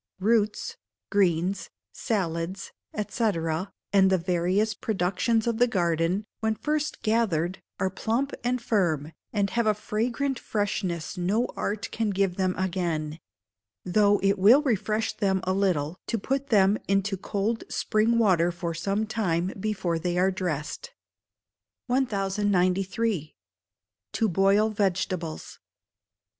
Roots, greens, salads, &c., and the various productions of the garden, when first gathered, are plump and firm, and have a fragrant freshness no art can give them again; though it will refresh them a little to put them into cold spring water for some time before they are dressed. 1093. To Boil Vegetables.